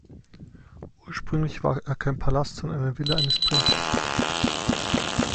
Ursprünglich war er kein Palast, sondern eine Villa eines Prinzen.